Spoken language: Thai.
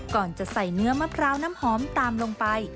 ก่อนจะใส่เนื้อมะพร้าวน้ำหอมตามลงไป